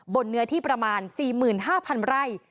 เนื้อที่ประมาณ๔๕๐๐๐ไร่